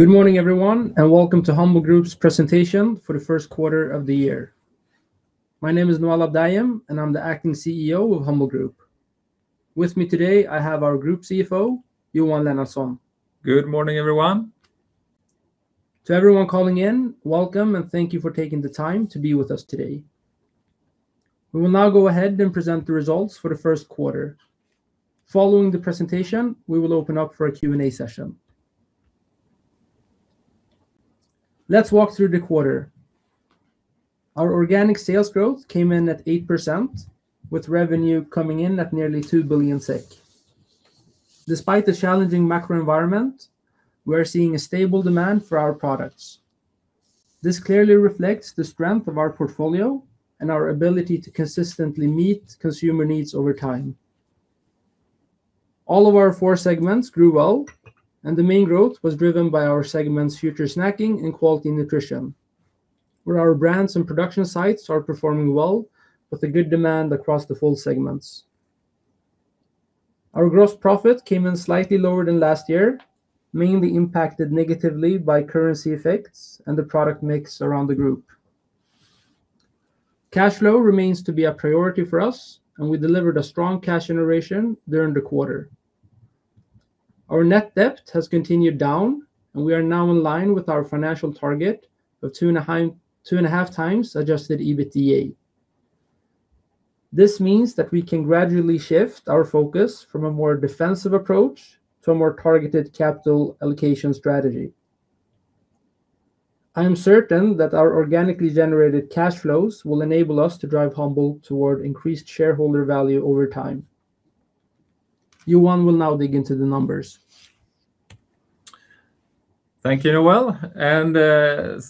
Good morning everyone and welcome to Humble Group's presentation for the first quarter of the year. My name is Noel Abdayem, and I'm the Acting CEO of Humble Group. With me today, I have our Group CFO, Johan Lennartsson. Good morning everyone. To everyone calling in, welcome and thank you for taking the time to be with us today. We will now go ahead and present the results for the first quarter. Following the presentation, we will open up for a Q&A session. Let's walk through the quarter. Our organic sales growth came in at 8%, with revenue coming in at nearly 2 billion SEK. Despite the challenging macro environment, we're seeing a stable demand for our products. This clearly reflects the strength of our portfolio and our ability to consistently meet consumer needs over time. All of our four segments grew well, and the main growth was driven by our segments Future Snacking and Quality Nutrition, where our brands and production sites are performing well with a good demand across the full segments. Our gross profit came in slightly lower than last year, mainly impacted negatively by currency effects and the product mix around the group. Cash flow remains to be a priority for us, and we delivered a strong cash generation during the quarter. Our net debt has continued down, and we are now in line with our financial target of 2.5x Adjusted EBITDA. This means that we can gradually shift our focus from a more defensive approach to a more targeted capital allocation strategy. I am certain that our organically generated cash flows will enable us to drive Humble toward increased shareholder value over time. Johan will now dig into the numbers. Thank you, Noel.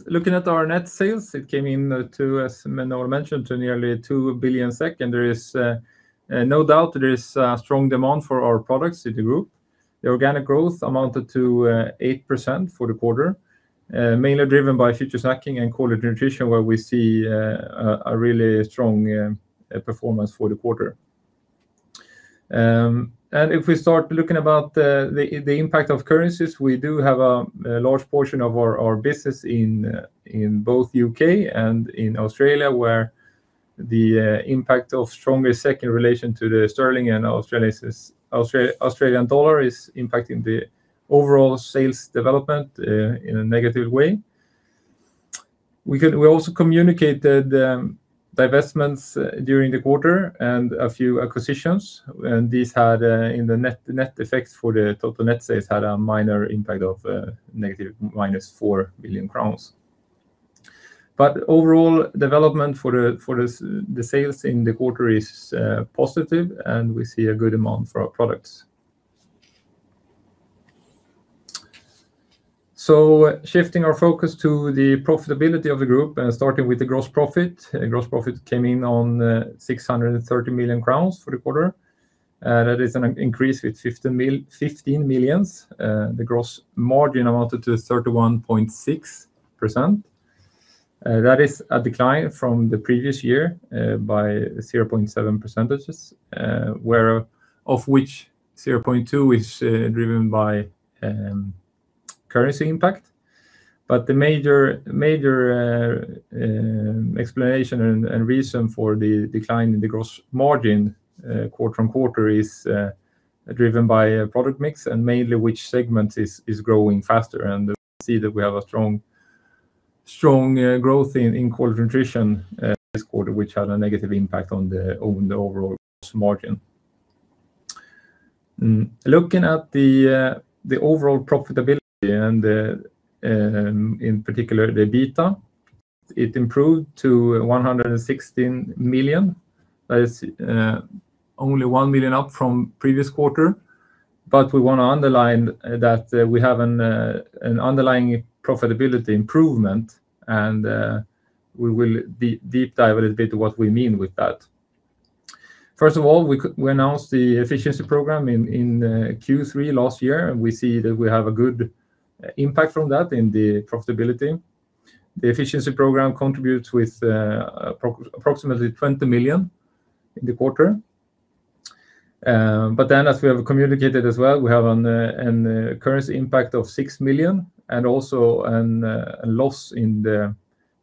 Looking at our net sales, it came in to, as Noel mentioned, to nearly 2 billion, and there is no doubt there is a strong demand for our products in the group. The organic growth amounted to 8% for the quarter, mainly driven by Future Snacking and Quality Nutrition, where we see a really strong performance for the quarter. If we start looking about the impact of currencies, we do have a large portion of our business in both U.K. and in Australia, where the impact of stronger SEK relation to the sterling and Australian dollar is impacting the overall sales development in a negative way. We also communicated the divestments during the quarter and a few acquisitions, and these had in the net effects for the total net sales had a minor impact of minus 4 million crowns. Overall development for the sales in the quarter is positive, and we see a good amount for our products. Shifting our focus to the profitability of the group and starting with the gross profit. Gross profit came in on 630 million crowns for the quarter. That is an increase with 15 million. The gross margin amounted to 31.6%. That is a decline from the previous year by 0.7 percentage points, of which 0.2 is driven by currency impact. The major explanation and reason for the decline in the gross margin quarter-on-quarter is driven by product mix and mainly which segment is growing faster. We see that we have a strong growth in Quality Nutrition this quarter, which had a negative impact on the overall gross margin. Looking at the overall profitability and in particular the EBITDA, it improved to 116 million. That is only 1 million up from previous quarter, but we want to underline that we have an underlying profitability improvement, and we will deep dive a little bit what we mean with that. First of all, we announced the efficiency program in Q3 last year, and we see that we have a good impact from that in the profitability. The efficiency program contributes with approximately 20 million in the quarter. As we have communicated as well, we have a currency impact of 6 million and also a loss in the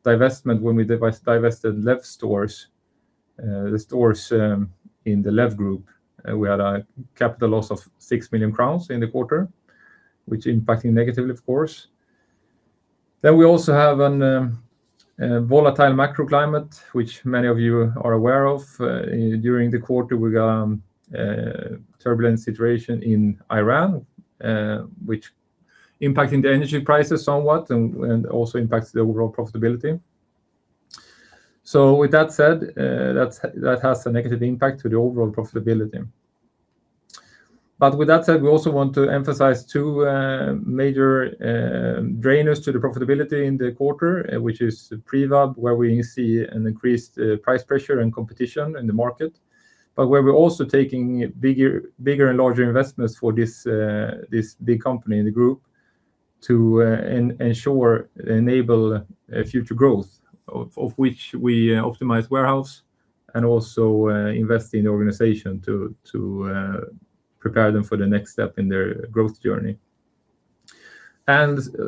divestment when we divested LEV stores, the stores in the LEV group. We had a capital loss of 6 million crowns in the quarter, which impacting negatively, of course. We also have a volatile macro climate, which many of you are aware of during the quarter with turbulent situation in Iran, which impacting the energy prices somewhat and also impacts the overall profitability. With that said, that has a negative impact to the overall profitability. With that said, we also want to emphasize two major drainers to the profitability in the quarter, which is Privab, where we see an increased price pressure and competition in the market, but where we're also taking bigger and larger investments for this big company in the group to ensure, enable future growth, of which we optimize the warehouse and also invest in the organization to prepare them for the next step in their growth journey.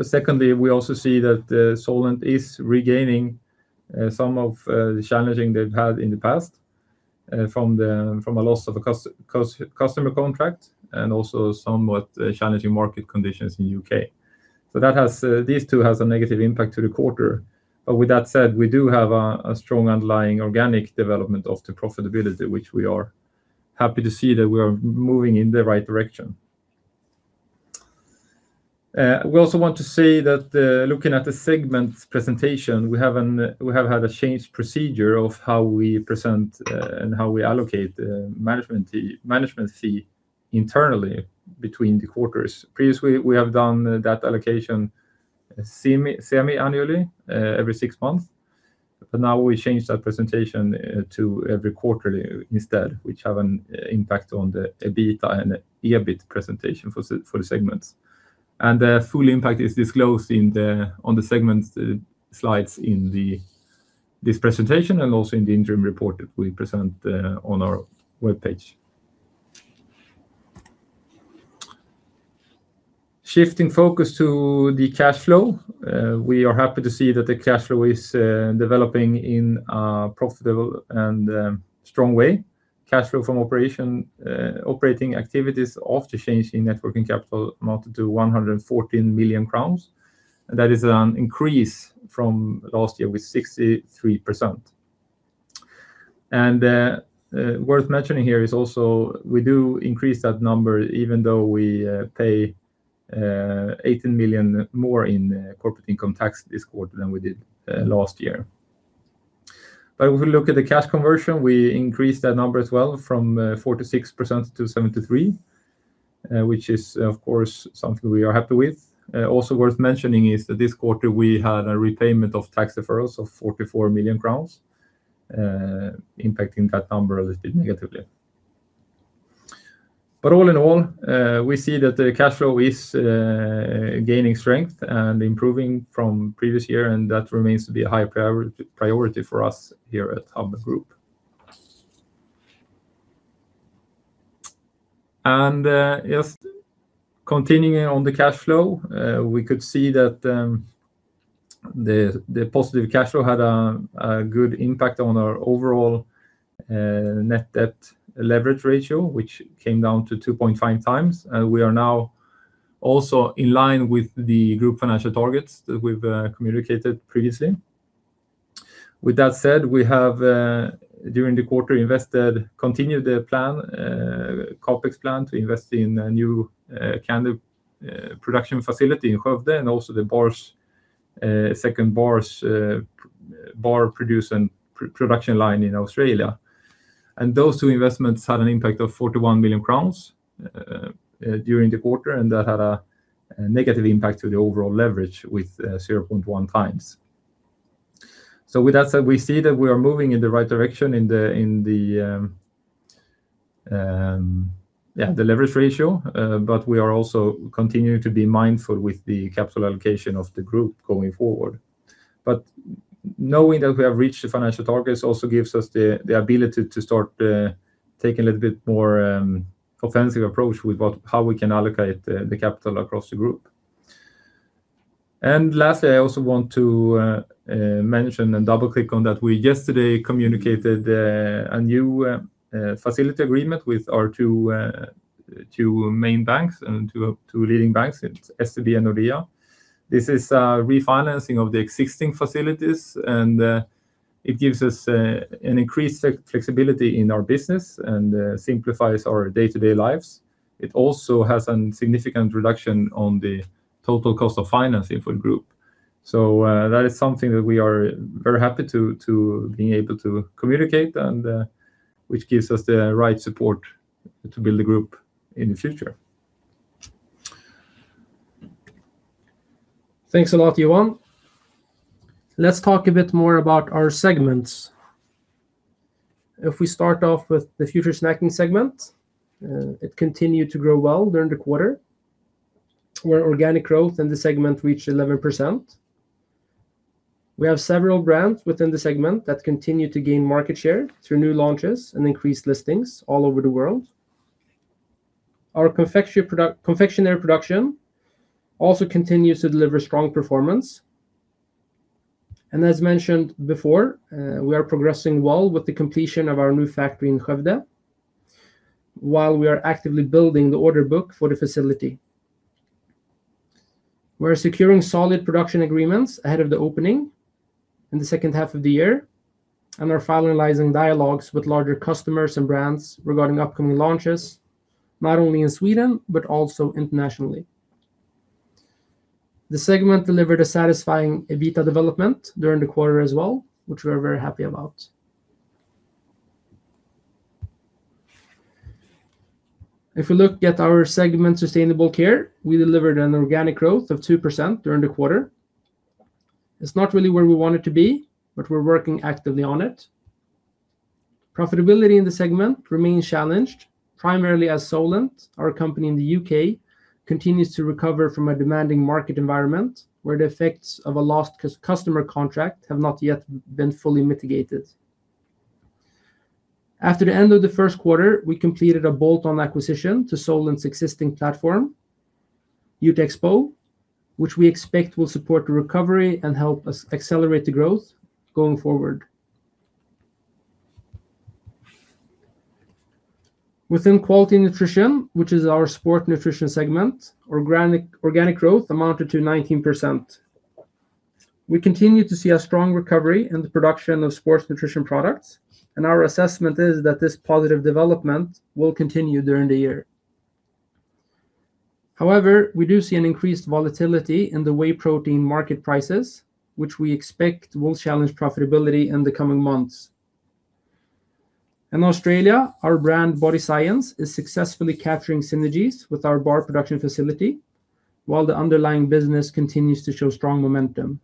Secondly, we also see that Solent is regaining some of the challenges they've had in the past from a loss of a customer contract, and also somewhat challenging market conditions in U.K. These two has a negative impact to the quarter. With that said, we do have a strong underlying organic development of the profitability, which we are happy to see that we are moving in the right direction. We also want to say that looking at the segment presentation, we have had a changed procedure of how we present and how we allocate management fee internally between the quarters. Previously, we have done that allocation semi-annually, every six months. Now we change that presentation to every quarterly instead, which have an impact on the EBITDA and EBIT presentation for the segments. The full impact is disclosed on the segments slides in this presentation and also in the interim report that we present on our webpage. Shifting focus to the cash flow, we are happy to see that the cash flow is developing in a profitable and strong way. Cash flow from operating activities after change in net working capital amounted to 114 million crowns. That is an increase from last year with 63%. Worth mentioning here is also we do increase that number even though we pay 18 million more in corporate income tax this quarter than we did last year. If we look at the cash conversion, we increased that number as well from 46%-73%, which is of course something we are happy with. Also worth mentioning is that this quarter we had a repayment of tax deferrals of 44 million crowns, impacting that number negatively. All in all, we see that the cash flow is gaining strength and improving from previous year, and that remains to be a high priority for us here at Humble Group. Just continuing on the cash flow, we could see that the positive cash flow had a good impact on our overall net debt leverage ratio, which came down to 2.5x. We are now also in line with the group financial targets that we've communicated previously. With that said, we have during the quarter continued the CapEx plan to invest in a new candy production facility in Skövde and also the second bar production line in Australia. Those two investments had an impact of 41 million crowns during the quarter, and that had a negative impact to the overall leverage with 0.1x. With that said, we see that we are moving in the right direction in the leverage ratio, but we are also continuing to be mindful with the capital allocation of the group going forward. Knowing that we have reached the financial targets also gives us the ability to start taking a little bit more offensive approach with how we can allocate the capital across the group. Lastly, I also want to mention and double-click on that we yesterday communicated a new facility agreement with our two main banks and two leading banks, SEB and Nordea. This is a refinancing of the existing facilities, and it gives us an increased flexibility in our business and simplifies our day-to-day lives. It also has a significant reduction on the total cost of financing for the Group. That is something that we are very happy to being able to communicate and which gives us the right support to build the Group in the future. Thanks a lot, Johan. Let's talk a bit more about our segments. If we start off with the Future Snacking segment, it continued to grow well during the quarter, where organic growth in the segment reached 11%. We have several brands within the segment that continue to gain market share through new launches and increased listings all over the world. Our confectionery production also continues to deliver strong performance. As mentioned before, we are progressing well with the completion of our new factory in Skövde, while we are actively building the order book for the facility. We're securing solid production agreements ahead of the opening in the H2 of the year, and are finalizing dialogues with larger customers and brands regarding upcoming launches, not only in Sweden but also internationally. The segment delivered a satisfying EBITDA development during the quarter as well, which we are very happy about. If we look at our segment Sustainable Care, we delivered an organic growth of 2% during the quarter. It's not really where we want it to be, but we're working actively on it. Profitability in the segment remains challenged. Primarily as Solent, our company in the U.K., continues to recover from a demanding market environment where the effects of a lost customer contract have not yet been fully mitigated. After the end of the first quarter, we completed a bolt-on acquisition to Solent's existing platform, Jutexpo, which we expect will support the recovery and help us accelerate the growth going forward. Within Quality Nutrition, which is our sport nutrition segment, organic growth amounted to 19%. We continue to see a strong recovery in the production of sports nutrition products, and our assessment is that this positive development will continue during the year. However, we do see an increased volatility in the whey protein market prices, which we expect will challenge profitability in the coming months. In Australia, our brand Body Science is successfully capturing synergies with our bar production facility, while the underlying business continues to show strong momentum.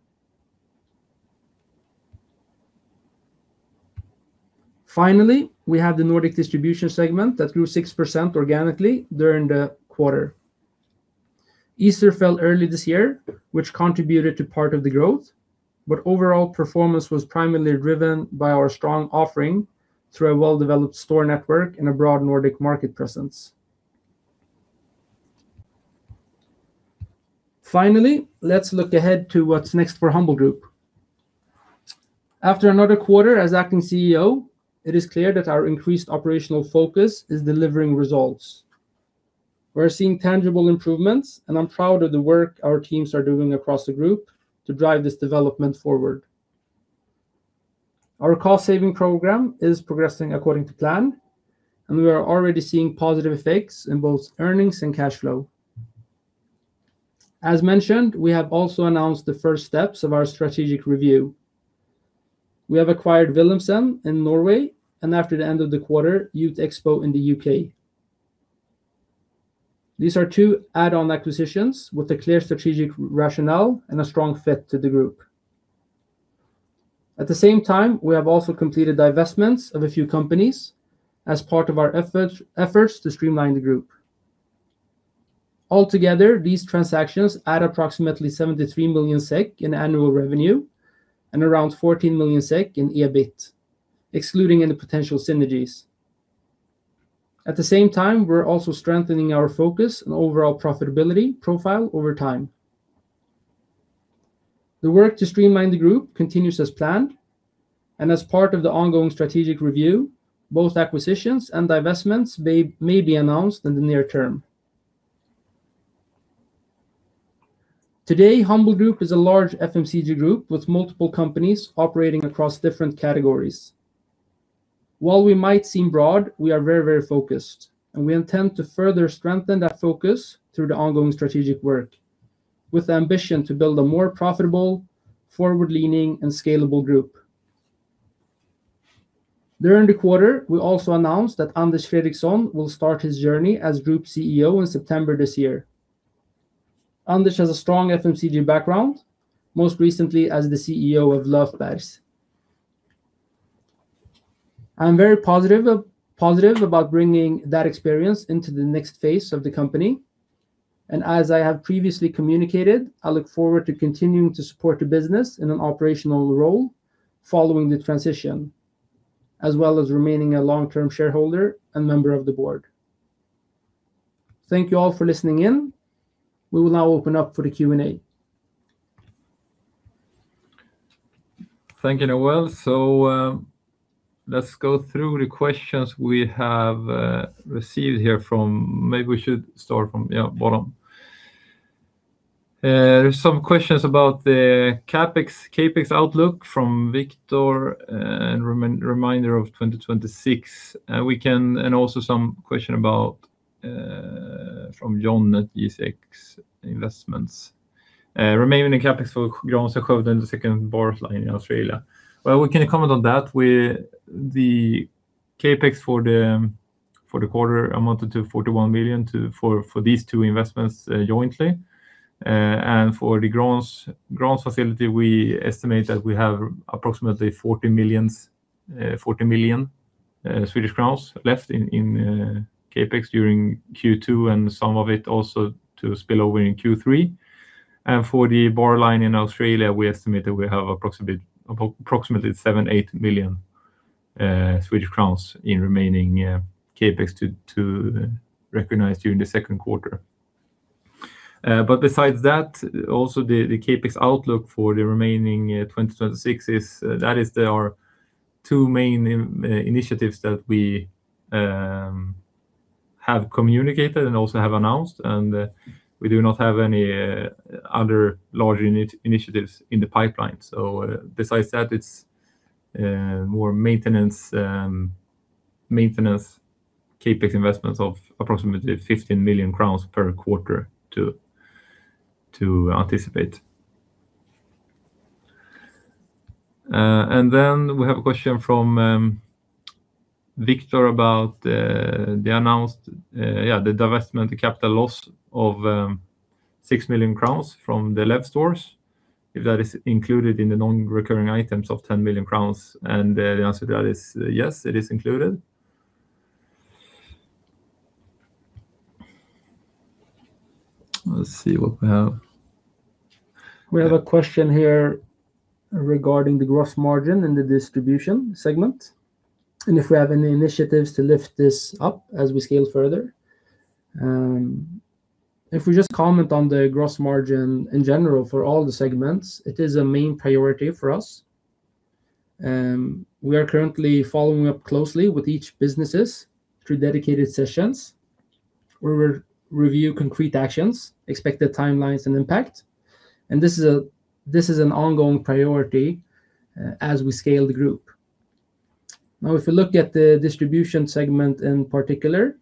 Finally, we have the Nordic Distribution segment that grew 6% organically during the quarter. Easter fell early this year, which contributed to part of the growth, but overall performance was primarily driven by our strong offering through a well-developed store network and a broad Nordic market presence. Finally, let's look ahead to what's next for Humble Group. After another quarter as Acting CEO, it is clear that our increased operational focus is delivering results. We are seeing tangible improvements, and I'm proud of the work our teams are doing across the group to drive this development forward. Our cost-saving program is progressing according to plan, and we are already seeing positive effects in both earnings and cash flow. As mentioned, we have also announced the first steps of our strategic review. We have acquired Willumsen in Norway and after the end of the quarter, Jutexpo in the U.K. These are two add-on acquisitions with a clear strategic rationale and a strong fit to the group. At the same time, we have also completed divestments of a few companies as part of our efforts to streamline the group. Altogether, these transactions add approximately 73 million SEK in annual revenue and around 14 million SEK in EBIT, excluding any potential synergies. At the same time, we're also strengthening our focus on overall profitability profile over time. The work to streamline the group continues as planned and as part of the ongoing strategic review, both acquisitions and divestments may be announced in the near term. Today, Humble Group is a large FMCG group with multiple companies operating across different categories. While we might seem broad, we are very focused, and we intend to further strengthen that focus through the ongoing strategic work with the ambition to build a more profitable, forward-leaning, and scalable group. During the quarter, we also announced that Anders Fredriksson will start his journey as Group CEO in September this year. Anders has a strong FMCG background, most recently as the CEO of Löfbergs. I'm very positive about bringing that experience into the next phase of the company. As I have previously communicated, I look forward to continuing to support the business in an operational role following the transition, as well as remaining a long-term shareholder and member of the board. Thank you all for listening in. We will now open up for the Q&A. Thank you, Noel. Let's go through the questions we have received here from. Maybe we should start from bottom. There's some questions about the CapEx outlook from Victor and remainder of 2026. Also some question from John at G6 Investments. Remaining in CapEx for Gränsö Hovden, the second bar line in Australia. Well, we can comment on that. The CapEx for the quarter amounted to 41 million for these two investments jointly. For the Gräns facility, we estimate that we have approximately 40 million Swedish crowns left in CapEx during Q2, and some of it also to spill over in Q3. For the bar line in Australia, we estimate that we have approximately 7-8 million Swedish crowns in remaining CapEx to recognize during the second quarter. Besides that, also the CapEx outlook for the remaining 2026 is there are two main initiatives that we have communicated and also have announced, and we do not have any other large initiatives in the pipeline. Besides that, it's more maintenance CapEx investments of approximately 15 million crowns per quarter to anticipate. Then we have a question from Victor about the divestment capital loss of 6 million crowns from the LEV stores, if that is included in the non-recurring items of 10 million crowns. The answer to that is yes, it is included. Let's see what we have. We have a question here regarding the gross margin in the distribution segment, and if we have any initiatives to lift this up as we scale further. If we just comment on the gross margin in general for all the segments, it is a main priority for us. We are currently following up closely with each businesses through dedicated sessions, where we review concrete actions, expected timelines, and impact. This is an ongoing priority as we scale the group. Now, if we look at the distribution segment in particular,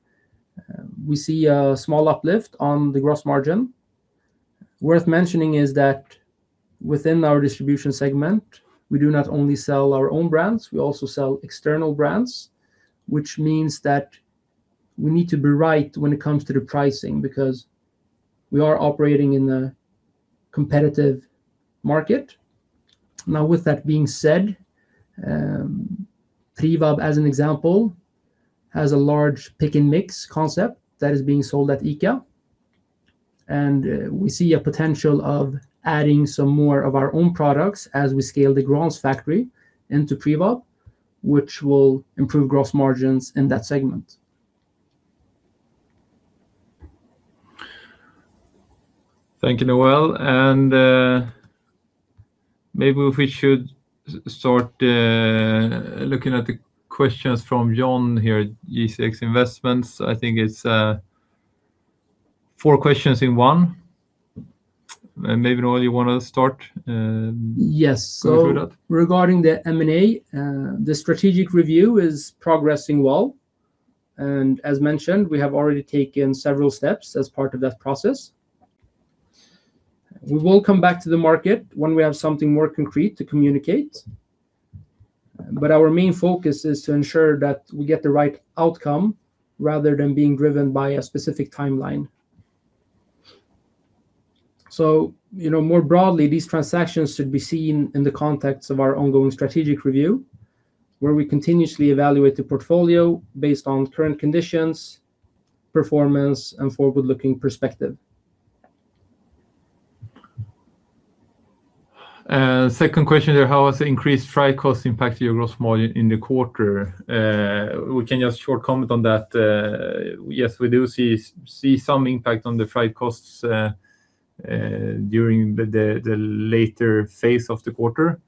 we see a small uplift on the gross margin. Worth mentioning is that within our distribution segment, we do not only sell our own brands, we also sell external brands. Which means that we need to be right when it comes to the pricing because we are operating in a competitive market. Now, with that being said, Privab, as an example, has a large pick-and-mix concept that is being sold at ICA, and we see a potential of adding some more of our own products as we scale the Gräns factory into Privab, which will improve gross margins in that segment. Thank you, Noel. Maybe we should start looking at the questions from John here at G6 Investments. I think it's four questions in one, and maybe, Noel, you want to start? Yes. Go through that. Regarding the M&A, the strategic review is progressing well, and as mentioned, we have already taken several steps as part of that process. We will come back to the market when we have something more concrete to communicate. Our main focus is to ensure that we get the right outcome rather than being driven by a specific timeline. More broadly, these transactions should be seen in the context of our ongoing strategic review, where we continuously evaluate the portfolio based on current conditions, performance, and forward-looking perspective. Second question there: How has the increased freight cost impacted your gross margin in the quarter? We can just a short comment on that. Yes, we do see some impact on the freight costs during the later phase of the quarter.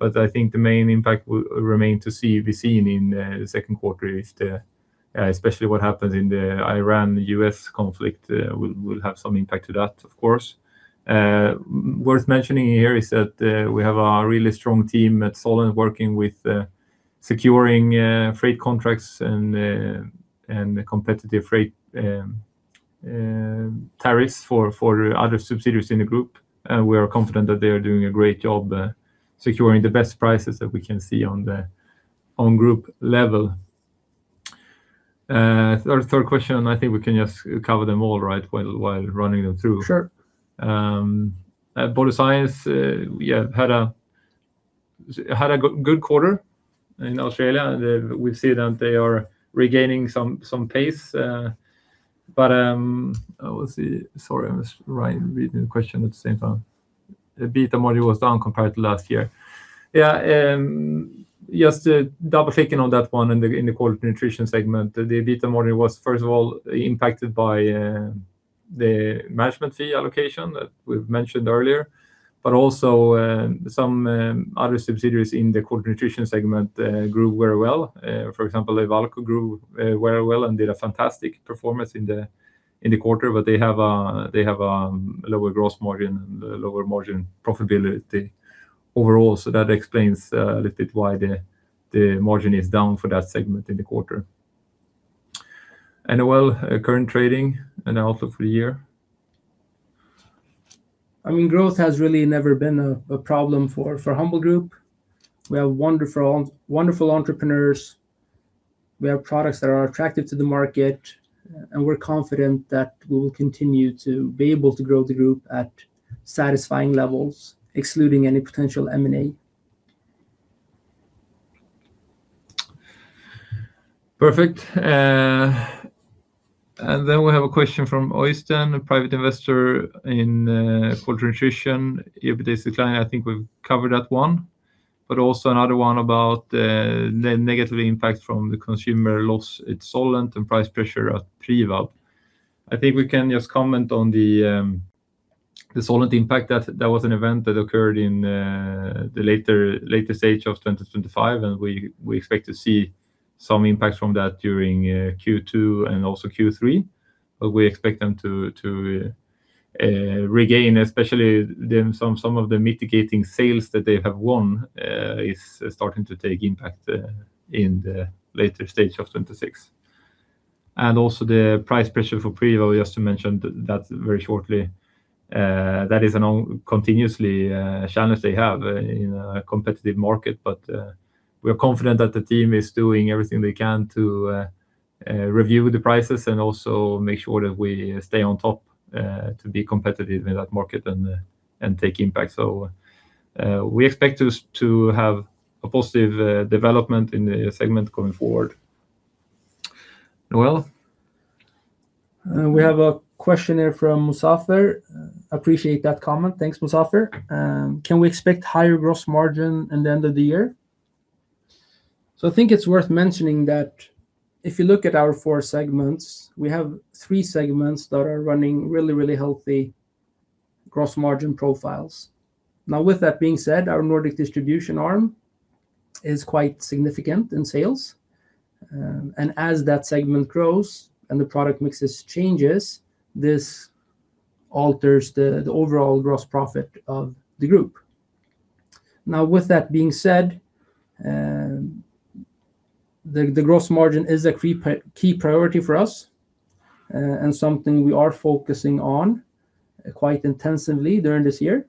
I think the main impact will remain to be seen in the second quarter, especially what happens in the Iran-U.S. conflict will have some impact to that, of course. Worth mentioning here is that we have a really strong team at Solent working with securing freight contracts and competitive freight tariffs for other subsidiaries in the group. We are confident that they are doing a great job securing the best prices that we can see on group level. Third question, I think we can just cover them all, right, while running them through. Sure. Body Science, yeah, had a good quarter in Australia. We see that they are regaining some pace. But let's see. Sorry, I was trying to read the question at the same time. The EBITDA margin was down compared to last year. Yeah, just double-clicking on that one in the Quality Nutrition segment, the EBITDA margin was first of all impacted by the management fee allocation that we've mentioned earlier, but also some other subsidiaries in the Quality Nutrition segment grew very well. For example, Ewalco grew very well and did a fantastic performance in the quarter, but they have a lower gross margin and a lower margin profitability overall. So that explains a little bit why the margin is down for that segment in the quarter. Noel, current trading and outlook for the year. Growth has really never been a problem for Humble Group. We have wonderful entrepreneurs. We have products that are attractive to the market, and we're confident that we will continue to be able to grow the group at satisfying levels, excluding any potential M&A. Perfect. We have a question from Øystein, a private investor in Quality Nutrition. If it is declining, I think we've covered that one. Also another one about the negative impact from the consumer loss at Solent and price pressure at Privab. I think we can just comment on the Solent impact. That was an event that occurred in the latest stage of 2025, and we expect to see some impact from that during Q2 and also Q3. We expect them to regain, especially some of the mitigating sales that they have won is starting to take impact in the later stage of 2026. The price pressure for Privab, just to mention that very shortly. That is a continuous challenge they have in a competitive market. We are confident that the team is doing everything they can to review the prices and also make sure that we stay on top to be competitive in that market and take impact. We expect to have a positive development in the segment going forward. Noel? We have a question here from Musawer. Appreciate that comment. Thanks, Musawer. Can we expect higher gross margin in the end of the year? I think it's worth mentioning that if you look at our four segments, we have three segments that are running really, really healthy gross margin profiles. Now, with that being said, our Nordic Distribution arm is quite significant in sales. As that segment grows and the product mixes changes, this alters the overall gross profit of the group. Now with that being said, the gross margin is a key priority for us and something we are focusing on quite intensively during this year.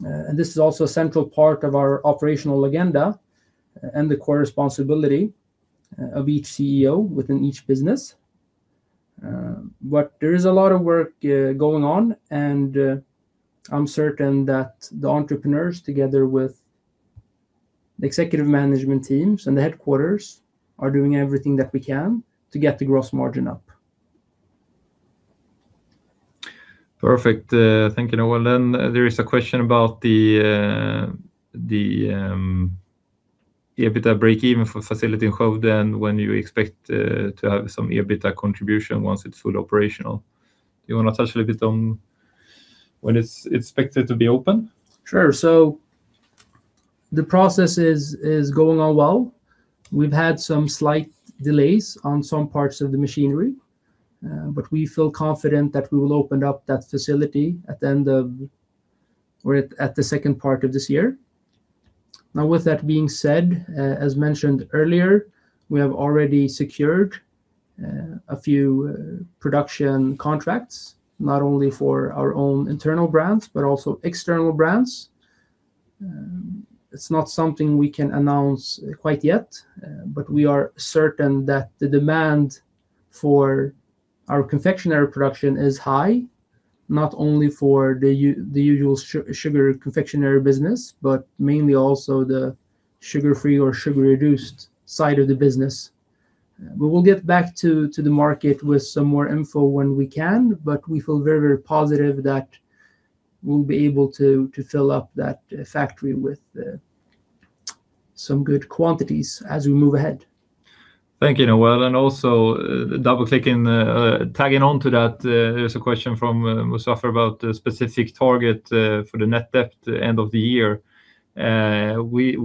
This is also a central part of our operational agenda and the core responsibility of each CEO within each business. There is a lot of work going on, and I'm certain that the entrepreneurs, together with the executive management teams and the headquarters, are doing everything that we can to get the gross margin up. Perfect. Thank you, Noel. There is a question about the EBITDA breakeven for the facility in Skövde and when you expect to have some EBITDA contribution once it's fully operational. Do you want to touch a little bit on when it's expected to be open? Sure. The process is going on well. We've had some slight delays on some parts of the machinery, but we feel confident that we will open up that facility at the second part of this year. Now with that being said, as mentioned earlier, we have already secured a few production contracts, not only for our own internal brands, but also external brands. It's not something we can announce quite yet, but we are certain that the demand for our confectionery production is high, not only for the usual sugar confectionery business, but mainly also the sugar-free or sugar-reduced side of the business. We'll get back to the market with some more info when we can, but we feel very, very positive that we'll be able to fill up that factory with some good quantities as we move ahead. Thank you, Noel. Also double-clicking, tagging on to that, there's a question from Musawer about the specific target for the net debt end of the year. We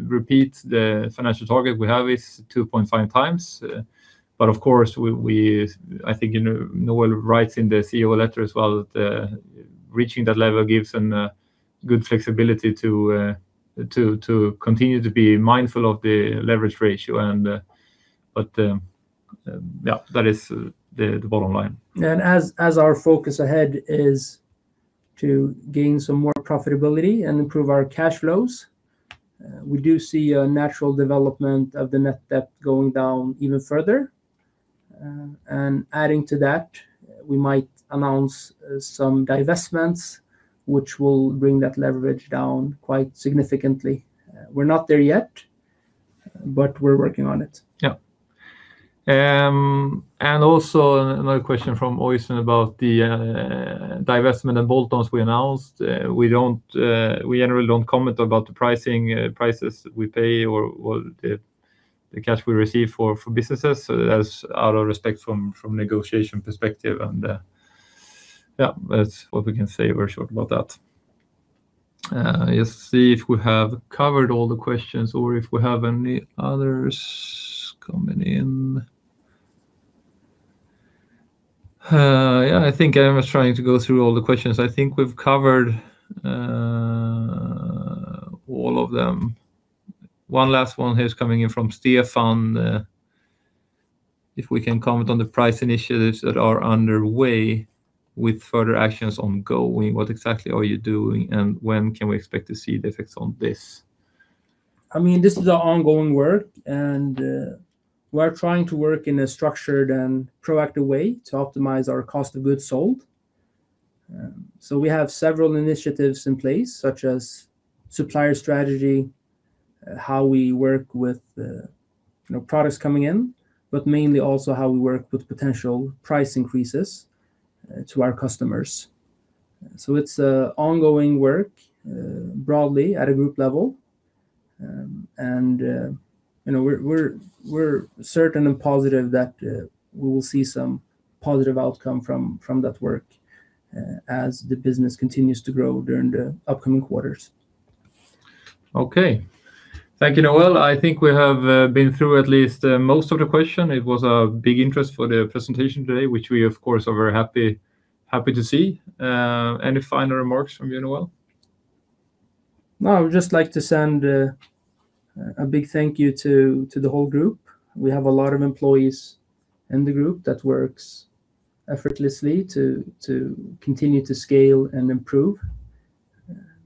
repeat the financial target we have is 2.5x. Of course, I think Noel writes in the CEO letter as well, that reaching that level gives a good flexibility to continue to be mindful of the leverage ratio. That is the bottom line. As our focus ahead is to gain some more profitability and improve our cash flows, we do see a natural development of the net debt going down even further. Adding to that, we might announce some divestments which will bring that leverage down quite significantly. We're not there yet, but we're working on it. Yeah. Also another question from Øystein about the divestment and bolt-ons we announced. We generally don't comment about the prices we pay or the cash we receive for businesses as out of respect from negotiation perspective, and yeah, that's what we can say, very short about that. Let's see if we have covered all the questions or if we have any others coming in. Yeah, I think I was trying to go through all the questions. I think we've covered all of them. One last one here is coming in from Stefan. If we can comment on the price initiatives that are underway with further actions ongoing, what exactly are you doing and when can we expect to see the effects on this? This is an ongoing work, and we're trying to work in a structured and proactive way to optimize our cost of goods sold. We have several initiatives in place, such as supplier strategy, how we work with products coming in, but mainly also how we work with potential price increases to our customers. It's ongoing work broadly at a group level, and we're certain and positive that we will see some positive outcome from that work as the business continues to grow during the upcoming quarters. Okay. Thank you, Noel. I think we have been through at least most of the question. It was a big interest for the presentation today, which we of course are very happy to see. Any final remarks from you, Noel? No, I would just like to send a big thank you to the whole Group. We have a lot of employees in the Group that works effortlessly to continue to scale and improve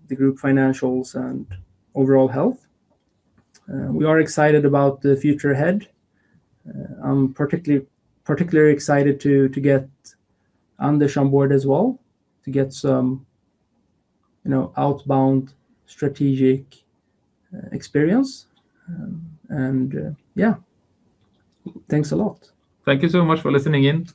the Group financials and overall health. We are excited about the future ahead. I'm particularly excited to get Anders on board as well to get some outbound strategic experience, and yeah. Thanks a lot. Thank you so much for listening in.